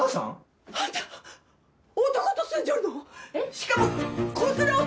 しかも子連れ男と！